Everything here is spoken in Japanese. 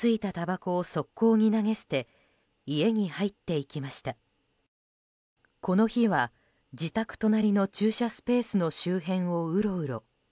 この日は自宅隣の駐車スペースの周辺をうろうろ。